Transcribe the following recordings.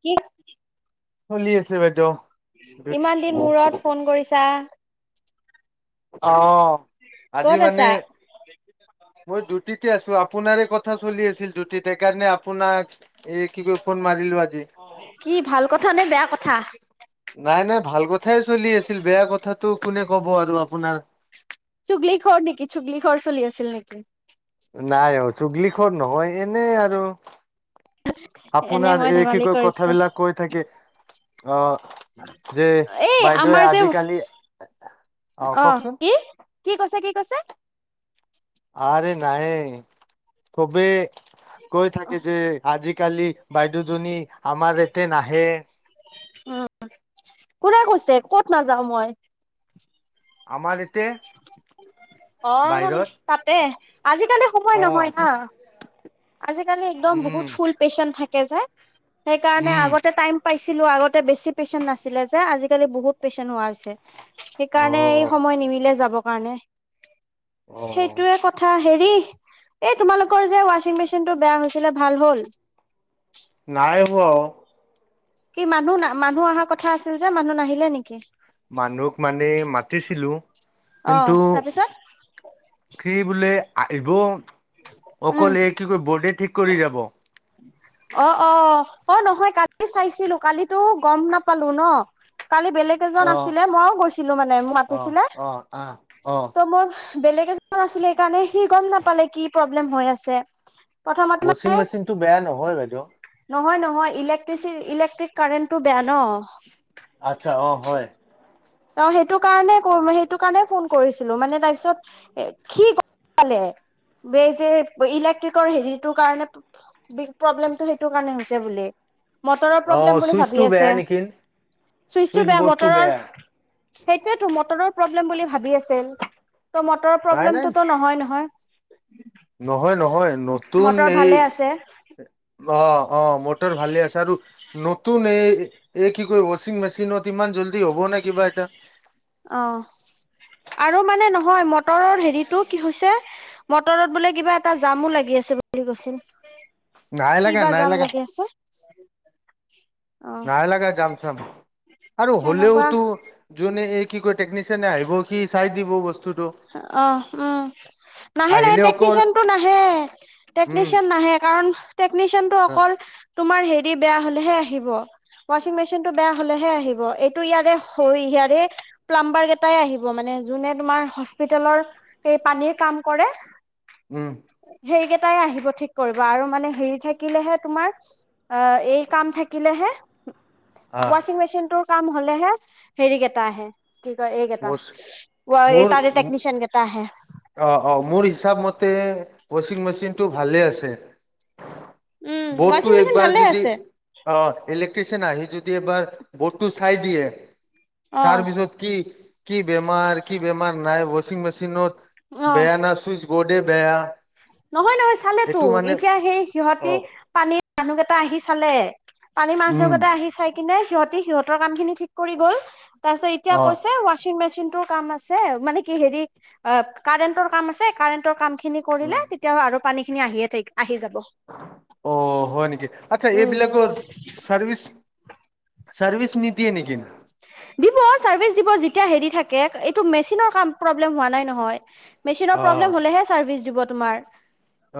কি চলি আছে বাইদ'। ইমান দিন মূৰত ফোন কৰিছা! অ' আজি ক'ত মানে আছা? মই ডিউটিতে আছোঁ আ পোনাৰীকত [unintelligible] চলি আছিল তো, তে সেই কাৰণে আপোনাক এ কি কয় ফোন মাৰিলো আজি। কি ভাল কথা নে বেয়া কথা? নাই নাই, ভাল কথ থাই চলি আছিল, বেয়া কথাটো কোনে কব আৰু আপোনাক? চুগলি খৰ নেকি চুগলি খৰ চলি [inaudible] নাই অ, চুগলিখৰ নহয়, এনে আৰু এনে আপোনাৰ মই এই কি ধেমালি কয়, কৰিছো। কথাবিলাক কৈ থাকে। অ, যে এই বাইদেৱে আমাৰ যে আজিকালি, অ কওকচোন কি কৈছে কি কৈছে? আৰে নাই, কবে কৈ থাকে যে, আজিকালি বাইদেউজনী আমাৰ ইতে নাহে। উম, কোনে কৈছে, ক'ত নাযাওঁ মই? আমাৰ এতে অ', তাতে, আজিকালি সময় নহয় অ', হাঁ। আজি কালি একদম বহুত উম, ফুল পেচেন্ট থাক কেজাই সেইকাৰণে উম, আগতে টাইম পাইছিলো আগতে বেছি পেচেণ্ট নাছিলে যে আজিকালি বহুত পেচেন্ট হোৱা হৈছে সেইকাৰণে এই অ', সময় নিমিলে যাব কাৰণে অ', সেইটোয়ে কথা হেৰি এই তোমালোকৰ যে ৱাশচিং মেচিন টো বেয়া হৈছিলে ভাল হ'ল ওৱ কি মানুহ মানুহ অহা কথা আছিল যে মানুহ নাহিলে নেকি মানুহক মানে মাতিছিলো অ কিন্তু তাৰপিছত সি বোলে এইবোম উম অকলে কি কয় বডি ঠিক কৰি যাব অ অ অ নহয় কালি চাইছিলো কালিতো গম নাপালো ন কালি বেলেগ এজন অ', আছিলে মইও গৈছিলো মানে মোক অ', মাতিছিলে অ', আহ, অ', ত' মই বেলেগ এজন আছিলে সেইকাৰণে সি গম নাপালে কি প্ৰব্লেম হৈ আছে প্ৰথমতে ৱাচিং মানে মেচিনতটো বেয়া নহয় বাইদেউ নহয় নহয় ইলেক্ট্ৰিচি ইলেক্ট্ৰিক কাৰেণ্টটো বেয়া ন আটচ্ছা অ হয়। ত সেইটো কাৰণে সেইটো কাৰণে ফোন কৰিছিলো। মানে তাৰ পিছত সি গম পালে। এই যে ইলেক্ট্ৰিকৰ হেৰিটোৰ কাৰণে প্ৰব্লেম, সেইটো কাৰণে হৈছে বুলি। মটৰৰ অ', প্ৰব্লেম বুলি চুইচটো ভাবি বেয়া আছে। নেকি চুইচটো চুইচ বেয়া বৰ্ডটো মটৰৰ, সেইটোয়েতো মটৰৰ প্ৰব্লেম বুলি ভাবি আছিল। ত' মটৰৰ নাই নাই প্ৰব্লেমটোতো নহয় নহয়। নহয় নহয় নতুন মটৰ এই, ভালে আছে অ অ মটৰ ভালে আছে আৰু নতুন এই এই কি কয় ৱাচিং মেচিনত ইমান জল্দি হ'ব নে কিবা এতিয়া? অ আৰু মানে নহয় ম, মতৰৰ হেৰিতটো কি হৈছে, মটৰত বোলে কিবা এটা জামো লাগি আছে বুলি কৈছিল। নাই লাগা কিবা নাই জাম লাগা লাগি আছে অ নাই লগা যাম চাম আৰু সেনেকুৱা হলেওতো যোনে এই, কি কয় টেকনিচিয়ানে আহিব কি চাই দিব বস্তু। অ উম। নাহে নাহে আহিলে অকল টেকনিচিয়ানটো নাহে, উম, টেকনিচিয়ান নাহে কাৰণ, টেকনিচিয়ান টো হয় অকল, তোমাৰ হেৰি বেয়া হলেহে আহিব ৱাচিং মেচিনটো বেয়া হলেহে আহিব। এইটো ইয়াৰে ইয়াৰে প্লাম্বাৰ এটাই আহিব মানে যোনে তোমাৰ, হস্পিতলৰ এই পানীৰ কাম কৰে। উম, সেইকেইটা, তাই আহিব ঠিক কৰিব আৰু মানে হেৰি থাকিলেহে তোমাৰ অ এই কাম থাকিলেহে। আহ ৱাচিং মেচিনটোৰ, কাম হলেহে হেৰি কেইটা আহে। কি কয় এইকেইটা। বছ মোৰ তাৰে টেক, মিচনকটা আহে। অ অ মোৰ হিচাপ মতে ৱাশ্বিং মেচিনটো ভালে আছে। উম, ৱাশ্বিং বৰ্ডটো মেচিন একবাৰ ভালে যদি আছে অ ইলেক্ট্ৰিচিয়ান আহি যদি এইবাৰ বৰ্ডটো চাই দিয়ে, অ'। তাৰপিছত কি কি বেমাৰ কি বেমাৰ নাই, ৱাচিং মেচিনত, অ', বেয়া ন চুইজ বৰ্ডে বেয়া। নহয় নহয় চালেতো। এইটো মানে এতিয়া সেই অ সিহঁতি পানীৰ মানুহ কেইটা আহি চালে। কালি মাজ উম ভাগতে আহি চাই কিনে, সিহঁতে সিহঁতৰ কাম খিনি ঠিক কৰি গ'ল। তাৰপিছত এতিয়া অ কৈছে, ৱাচিং মেচিন তোৰ কাম আছে মানে কি হেৰি আপ কাৰেণ্ট টোৰ কাম আছে কাৰেণ্টৰ কাম খিনি কৰিলে উম আৰু পানী খিনি আহিয়ে থাকিব অ হয় নেকি আচ্ছা উম, এইবিলাকৰ চাৰ্ভিচ চৰ্ভিছ নিদিয়ে নিকিন দিব চাৰ্ভিচ দিব যেতিয়া হেৰি থাকে এইটো মেচিনৰ কাম প্ৰব্লেম হোৱা নাই নহয় মেচিনৰ অ প্ৰব্লেম হলেহে চাৰ্ভিছ দিব তোমাৰ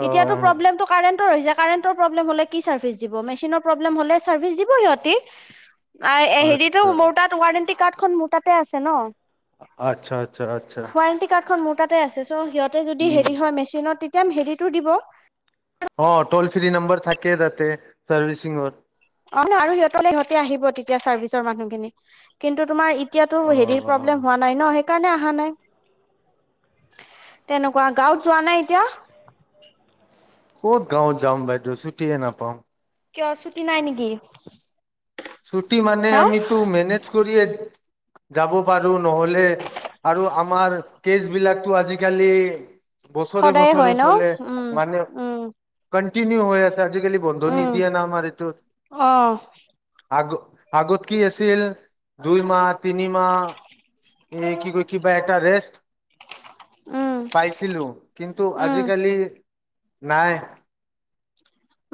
অ এতিয়াতো প্ৰব্লেমটো কাৰেন্টৰ হৈ যে কাৰেণ্টৰ প্ৰব্লেম হলে কি চাৰ্ভিছ দিব মেচিনৰ প্ৰব্লেম হলে চাৰ্ভিছ দিবই সিহঁতি আহ এ হেৰিতো আচ্ছা মোৰ ৱাৰেণ্টি কাৰ্ডখন মোৰ তাতে আছে ন আচ্ছা আচ্ছা আচ্ছা [inaudible] ৱাৰেণ্টি কাৰ্ডখন মোৰ তাতে আছে সিহঁতৰ যদি উম হেৰি হয় মেচিনত তিত তিয়াম হেৰিটো দিব অ টল ফ্ৰী নম্বৰ থাকে তাতে চাৰ্ভিচিংৰ অ ন আৰু সিহঁতলে সিহঁতে আহিব তেতিয়া চাৰ্ভিচৰ মানুহখিনি কিন্তু তোমাৰ এতিয়াতো অ হেৰিৰ প্ৰব্লেম হোৱা নাই ন সেই কাৰণে অহা নাই তেনেকুৱা গাঁৱত যোৱা নাই এতিয়া। ক'ত গাঁওত যাম বাইদেউ চুটিয়ে নাপাওঁ। কিয় ছুটি নাই নেকি। ছুটি মানে হা আমিতো মেনেজ কৰিয়ে। যাব পাৰোঁ। নহ'লে আৰু আমাৰ কে। বিলাকতো আজিকালি। বছৰে সদায়ে বছৰে হয় ন চলে উম মানে। উম ণ্টিনিউ হৈ আছে। আজিকালি বন্ধ উম নিদিয়ে না আমাৰ অ এইটোত। আগ আগত কি আছিল দুইমাহ। তিনিমাহ এই কি কয় কিবা। ৰেষ্ট। উম পাইছিলোঁ কিন্তু উম আজিকালি। নাই।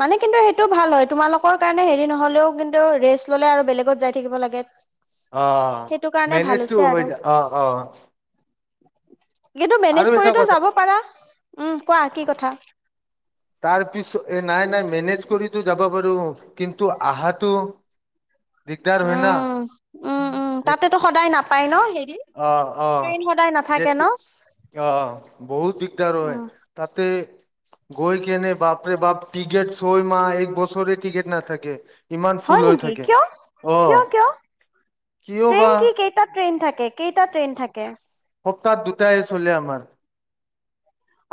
মানে কিন্তু সেইটো ভাল হয় তোমালোকৰ কাৰণে হেৰি নহলেও কিন্তু ৰেষ্ট ল'লে আৰু বেলেগত যাই থাকিব লাগে। অ সেইটো কাৰণে ভাল মেনেজটো হৈছে আৰু হয় অ অ। কিন্তু আৰু মেনেজ এটা কৰিতো কথা যাব পাৰা, উম কোৱা কি কথা? তাৰ পিছো এই। নাই নাই। মেনেজ কৰিটো যাব পাৰোঁ। কিন্তু অহাটো। দিগদাৰ হয় না, উম উম উম এইত তাতেতো সদায় নাপায় ন হেৰি অ অ ট্ৰেইন সদায় নাথাকে যেত ন অ বহুত দিগদাৰ হয় উম তাতে। [unintelligible] গৈ কেনে বাপৰে বাপ টিকেট ছয়মাহ একবছৰে টিকেট নাথাকে। ইমান ফুল হয় হৈ নেকি, থাকে কিয় অ', কিয় কিয় কিয় বা ট্ৰেইন কি কেইটা ট্ৰেইন থাকে, কেইটা ট্ৰেইন থাকে? সপ্তাহত দুটাই চলে আমাৰ।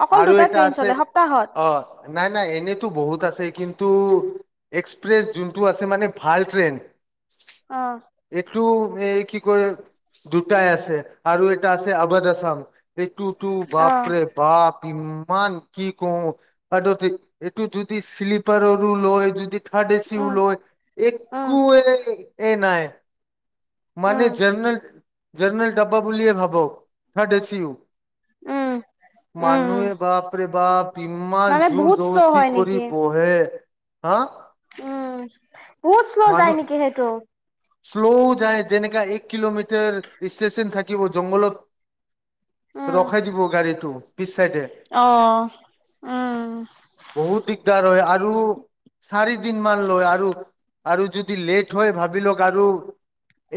অকল আৰু দুটা এটা ট্ৰেইন আছে, চলে সপ্তাহত অ নাই নাই এনেতো বহুত আছে কিন। তো এক্সপ্ৰেছ যোনটো আছে মানে ভাল ট্ৰেইন। অ। টো এই কি কয় দুটাই আছে আৰু এটা আছে আবাদ আছাম। এইটো তু অ বাপৰে বাপ। ইমান কি কওঁ আৰু এইটো যদি শ্লিপাৰৰো লয় যদি। উঠা উম [unintelligible] লৈ উম একোয়েই। এই নাই মানে উম জেনে জেনেৰেল ডাবা বুলিয়ে ভাবক, হে দেচিও উম উম উম মানুৱে এ বাপৰে বাপ, ইমান মানে জোৰ বহুত শ্ল' জবস্তি হয় কৰি নেকি বহে! হাঁ উম, বহুত শ্ল' যায় নেকি সেইটো? শ্ল' যায়, যেনেকা এক কিলোমিটাৰ ষ্টেচন থাকিব জংঘলত উম। ৰখাই দিব গাড়ীটো। পিছ চাইডে, অ', উম। বহুত দিগদাৰ হয় আৰু চাৰি দিন মান লয় আৰু আৰু যদি লেট হয় ভাবি লওক আৰু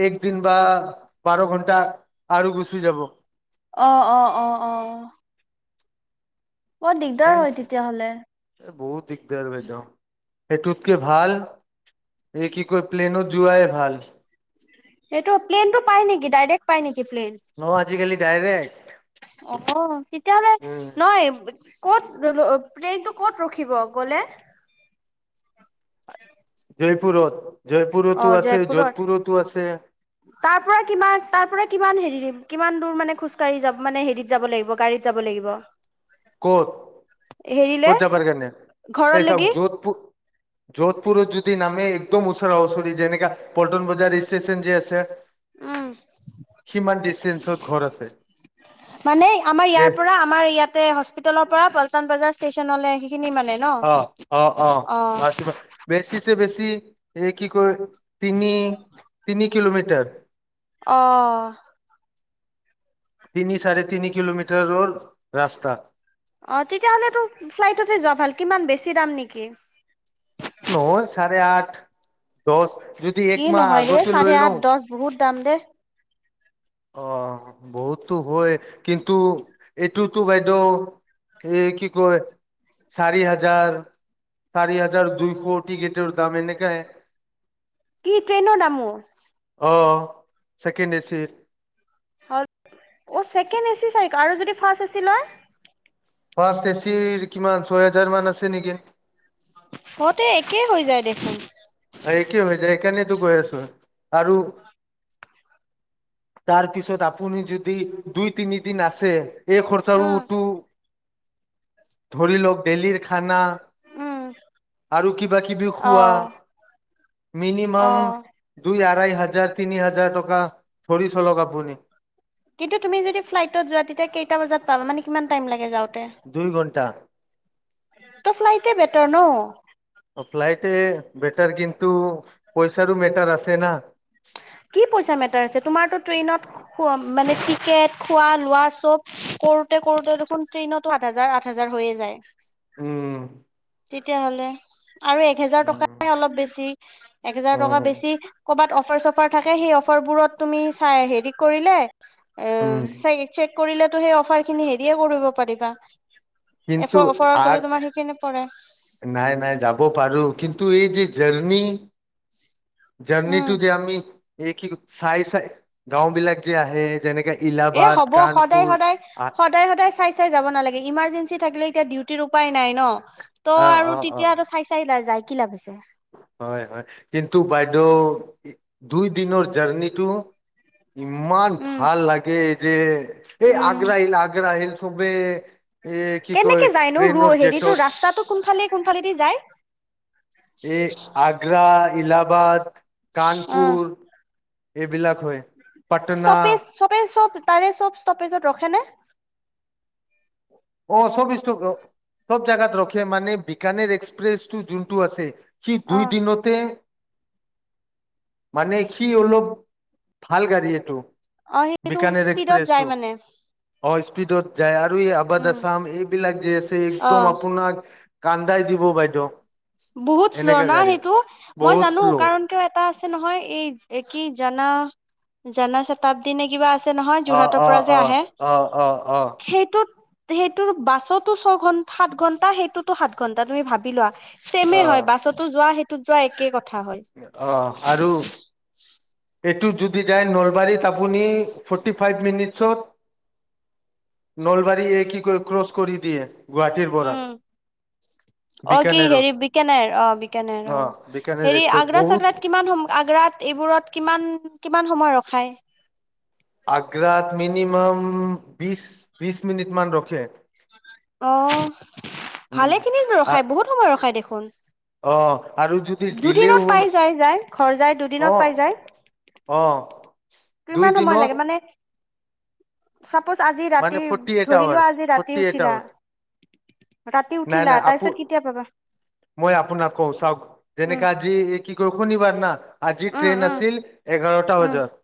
একদিন বা বাৰ ঘণ্টা আৰু গুচি যাব। অ, অ, অ, অ। বৰ দিগদাৰ হয় তেতিয়াহলে। বহুত দিগদাৰ বাইদেউ। সেইটোতকে ভাল, এই কি কয় প্লেনত যোৱাই ভাল এইটো, প্লেনটো পাই নেকি, ডাইৰেক্ট পাই নেকি? প্লেন? অ', আজিকালি ডাইৰেক্ট। [inaudible] অ', তেতিয়াহ'লে, উম নয় ক'ত, প্লেনটো ক'ত ৰখিব গ'লে জয়পুৰত অ, জয়পুৰতো আছে জয়পুৰত, যোধপুৰতো আছে তাৰ পৰা কিমান, তাৰ পৰা কিমান হেৰি কিমান দূৰ মানে খোজকাঢ়ি যাব, মানে হেৰিত যাব লাগিব গাড়ীত যাব লাগিব? ক'ত, হেৰিলে ক'ত যাবৰ কাৰণে? এই চাওক ঘৰলৈকে? যোধপুৰ যোধপুৰত যদি নামে, একদম ওচৰা ওচৰি, যেনেকা পল্টন বজাৰ ষ্টেচন যে আছে উম, সিমান ডিচটেন্সত ঘৰ আছে মানে আমাৰ এ ইয়াৰ পৰা, আমাৰ ইয়াতে হচ পিটেলৰ পৰা পল্টন বজাৰ ষ্টেচনলৈ আহি অ, অ, অ। বেছিছে বেছি এ কি কয় তিনি তিনি কিলোমিটাৰ। অ' তিনি, চাৰে তিনি কিলোমিটাৰৰ ৰাস্তা। অ তেতিয়াহ'লেতো ফ্লাইটতে যোৱা ভাল কিমান বেছি দাম নেকি? ন চাৰে আঠ দহ? যদি এক কি মাহ নহয় দে আগতে লৈ চাৰে লওঁ আঠ দহ বহুত দাম দে অ' বহুতো হয় কিন্তু এইটোতো বাইদেউ সে কি কয় চাৰি হাজাৰ চাৰি হাজাৰ দুইশ টিকেটৰ দাম এনেকাই কি ট্ৰেইনৰ দামো অহ ছেকেণ্ড এচিৰ ছেকেণ্ড এ চি আৰু যদি ফাষ্ট এ চি লয় ফাষ্ট এচিৰ কিমান ছয় হাজাৰ মান আছে নেকি? কতে একেই হৈ যায় দেখোন? একে হৈ যায় সেইকাৰণেতো কৈ আছো আৰু তাৰ পিছত আপুনি যদি দুই তিনিদিন আছে এই উম খৰচাতো ধৰি লওক ডেইলিৰ খানা উম আৰু কিবা-কিবি অ খোৱা অ মিনিমাম দু দুই আঢ়ৈ হাজাৰ তিনি হাজাৰ টকা চৰি চলক আপুনি কিন্তু তুমি যদি ফ্লাইটত যোৱা তেতিয়া কেইটা বজাত পাবা মানে কিমান টাইম লাগে যাওঁ তে দুই ঘন্টা ফ্লাইটে বেটাৰ ন ফ্লাইটে বেটাৰ কিন্তু পইচাৰো মেটাৰ আছে না কি পইচা মেটাৰ আছে তোমাৰো ট্ৰেইনত মানে কি টিকেট খোৱা লোৱা চব কৰোতে কৰোতে দেখোন ট্ৰেইনতো সাত হাজাৰ, আঠ হাজাৰ হৈয়ে যায়। উম, তেতিয়া হ'লে আৰু এক হেজাৰ টকা উম অলপ বেছি এক হেজাৰ টকা উম বেছি কৰবাত। প [unintelligible] অফাৰ থাকে সেই অফাৰবোৰত তুমি চাই হেৰি কৰিলে। অ' উম চাই কৰিলে সেই অফাৰ খিনি হেৰিয় কৰিব পাৰিবা। এফ কিন্তু অফাৰত গ'লে আৰ তোমাৰ সেইখিনি পৰে নাই-নাই যাব পাৰো কিন্তু এই যে জাৰ্নি [inaudible] জাৰনি উম টু যে আমি। এই কি চাই-চাই গাঁওবিলাক যি অহ যেনেকে। এ ইলাহাবাদ হ'ব কানপুৰ আহ সদায়-সদায়-সদায় চাই-চাই যাব নালাগে ইমাৰজেঞ্চি থাকিলে এতিয়া ডিউটিৰ উপায়। নাই ন ত আৰু তেতিয়াটো চাই-চাই লা য কি লাভ হৈছে। হয়-হয় কিন্তু বাইদেউ দুই দিনৰ জাৰ্নিটো। ইমান উম ভাল লাগে। যে এই উম আগ্ৰা হিল আগ্ৰা হিল। চবেই। কেনেকে যায় নো হেৰিতটো ৰাস্তাটো কোনফালে কোনফালেদি যায়। এই আগ্ৰা। ইলাবাদ, অ, এইবিলাক হয় পাটনা ষ্টপেজ চবেজ চব তাৰে চব ষ্টপেজত ৰখে নে? অ' সব -সব জেগাত ৰখে মানে বিকানে এক্সপ্ৰেছটো যোনটো আছে, সি অ দুই দিনতে, মানে সি অলপ ভাল গাড়ী এইটো। অ' সেইটো স্পীডত যায় মানে। অঁ স্পীডত। যায় আৰু এই আবদা উম ছাম এইবিলাক যে আছে, অ একদম আপোনাক। কান্দাই দিব বাইদেউ। বহুত শ্ল এনেকা ন গাড়ী সেইটো, মই বহুত জানো শ্ল' কাৰণ অ কিয় এটা আছে নহয় এই কি জানা। জানা শাতাব্দি নে কিবা আ। অ 'অ 'অ 'অ 'অ। সেইটোত সেইটোৰ বাছতো ছঘটা সাত ঘন্টা, সেইটোতো সাত ঘন্টা তুমি ভাবি লোৱা। ছেমে হয় বাছতো যোৱা যোৱা একে ক অ আৰু এইটো যদি যায়, নৈ আপুনি, ফৰ্তি ফাইভ মিনিটচ'ট নলবাৰী এ কি কৈ ক্ৰচ কৰি দিয়ে। গুৱাহাটীৰ পৰা উম 'অ কি বিকানেৰত হেৰি বিকানেৰ অ, বিকানেৰ অ, বিকানেৰ হেৰি এক্সপ্ৰেছ আগ্ৰা বহুত চাগ্ৰাত কিমান সম আগ্ৰাত এইবোৰত কিমান। কিমান সময় ৰখাই? আগ্ৰাত মিনিমাম বিছ বিছ মিনিট মান ৰখে। অ। উম ভালেখিনি ৰখাই বহুত সময় ৰখায় দেখোন। অ আৰু যদি দিলে দুদিনত পাই যায় যাই ঘৰ যাই অ দুদিনত পাই যায়, অ দুই কিমান সময় দিনত লাগে মানে চব বাচ, আজি ৰাতি, মানে ফৰ্টি এইট ধৰি লোৱা আৱাৰ্চ আজি ৰাতি ফৰ্টি এইট উঠিলা, আৱাৰ্চ ৰাতি নাই উঠিলা, নাই আপু তাৰপিছত কেতিয়া পাবা? উম যেনেকা আজি এইট কি কয় শনিবাৰ না? আজি উম ট্ৰেইন উম আছিল এঘাৰ টা উম, বাজাত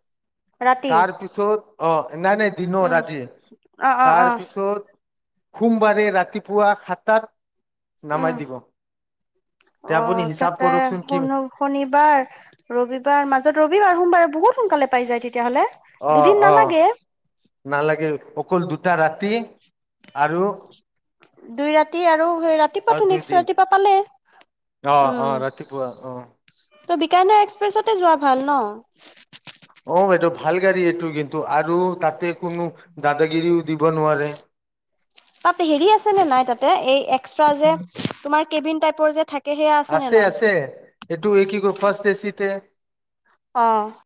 ৰাতি তাৰ পিছত অ' নাই নাই দিনৰ, উম, আজি অ', অ', তাৰ অ', পিছত সোমবাৰে ৰাতিপুৱা সাতটাত উম, নামাই দিব তে আপুনি অ', হিচাপ চেটাৰ, কৰকচোন কি শনিবাৰ, ৰবিবাৰ, মাজত ৰবিবাৰ, সোমবাৰে বহুত সোনকালে পাই যায় তেত তিয়াহলে, অ দুদিন নালাগে কল দুটা ৰাতি আৰু দুই ৰাতি আৰু অ ৰাতিপুৱাটো, দুই নেক্স দিন ৰাতিপুৱা পালে। অ অ উম। ৰাতিপুৱা অ ত' বিকানী এক্সপ্ৰেছতে যোৱা ভাল ন? অ, বাইদেউ ভাল গাড়ী এইটো কিন্তু, আৰু তাতে কোনো দাদাগিৰিও দিব নোৱাৰে। তাত হেৰি আছে নে নাই তাতে, এই একচ ট্ৰা যে, তোমাৰ কেবিন তাইপৰ যে থাক আছে, আছে, সেইটো কি কয় ফাৰ্ষ্ট এ চি তে। অ'